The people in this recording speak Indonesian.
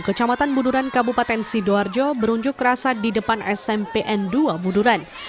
kecamatan buduran kabupaten sidoarjo berunjuk rasa di depan smpn dua buduran